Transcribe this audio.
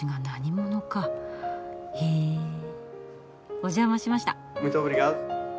お邪魔しました。